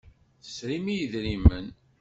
Tesrim i yedrimen.